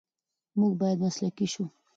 موږ باید مسلکي شو.